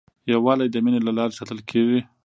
یووالی د مینې له لارې ساتل کېږي.